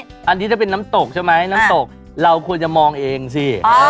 อันนี้ถ้าเป็นน้ำตกใช่ไหมน้ำตกเราควรจะมองเองสิ